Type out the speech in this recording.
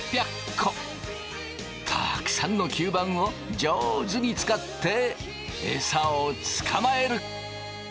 たくさんの吸盤を上手に使ってエサを捕まえる。